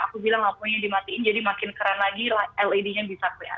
aku bilang lampunya dimatiin jadi makin keren lagi led nya bisa kelihatan